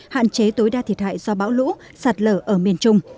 hạn chế tối đa thiệt hại do bão lũ sạt lở ở miền trung